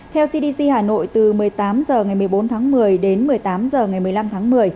theo cdc hà nội từ một mươi tám h ngày một mươi bốn tháng một mươi đến một mươi tám h ngày một mươi năm tháng một mươi